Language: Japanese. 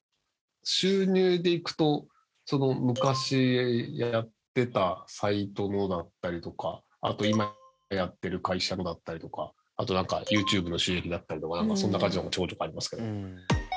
収入でいくと昔やってたサイトのだったりとかあと今やってる会社のだったりとかあとＹｏｕＴｕｂｅの収入だったりとかそんな感じのがちょこちょこありますけど。